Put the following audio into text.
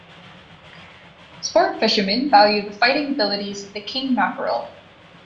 Sport fishermen value the fighting abilities of the king mackerel.